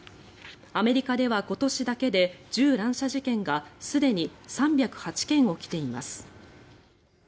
アメリカでは今年だけで銃乱射事件がすでに３０８件起きています。